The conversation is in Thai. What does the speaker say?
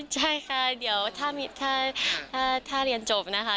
ใช่ค่ะเดี๋ยวถ้าเรียนจบนะคะ